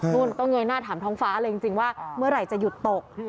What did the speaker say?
นู่นก็เงยหน้าถามท้องฟ้าเลยจริงว่าเมื่อไหร่จะหยุดตก